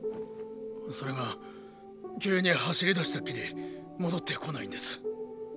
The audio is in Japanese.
それが急に走り出したっきり戻ってこないんです。